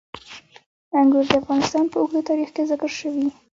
انګور د افغانستان په اوږده تاریخ کې ذکر شوي.